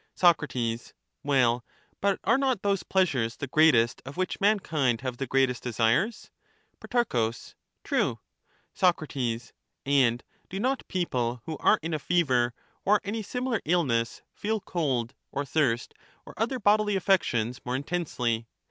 Soc. Well, but are not those pleasures the greatest of which mankind have the greatest desires ? Pro, True. Soc, And do not people who are iit a fever, or any similar illness, feel cold or thirst or other bodily affections more intensely?